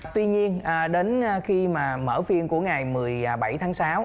tuy nhiên đến khi mà mở phiên của ngày một mươi bảy tháng sáu